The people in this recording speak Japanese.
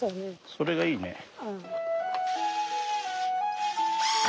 それがいいね。